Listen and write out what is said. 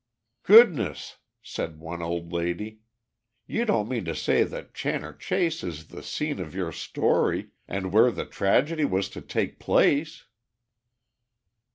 "Goodness!" said one old lady. "You don't mean to say that Channor Chase is the scene of your story, and where the tragedy was to take place?"